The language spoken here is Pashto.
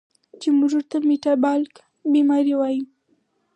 چې مونږ ورته ميټابالک بیمارۍ وايو